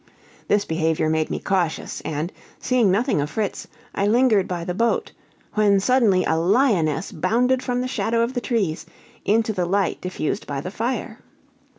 This behavior made me cautious; and, seeing nothing of Fritz, I lingered by the boat, when suddenly a lioness bounded from the shadow of the trees, into the light diffused by the fire.